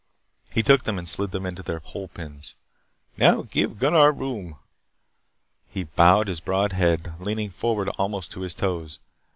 He took them and slid them into their hole pins. "Now, give Gunnar room." He bowed his broad head, leaning forward almost to his toes.